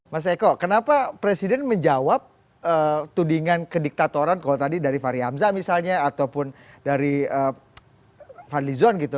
mas eko kenapa presiden menjawab tudingan kediktatoran kalau tadi dari fahri hamzah misalnya ataupun dari fadli zon gitu